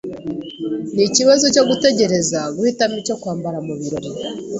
Ni ikibazo cyo kugerageza guhitamo icyo kwambara mubirori.